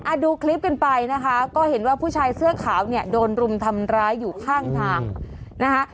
ดูคลิปกันไปนะคะก็เห็นว่าผู้ชายเสื้อขาวเนี่ยโดนรุมทำร้ายอยู่ข้างทางนะคะ